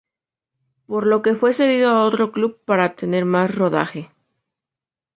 Por lo que fue cedido a otro club para tener más rodaje.